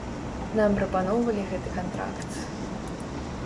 Нам прапаноўвалі гэты кантракт.